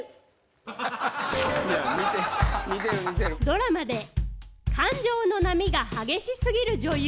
・ドラマで感情の波が激しすぎる女優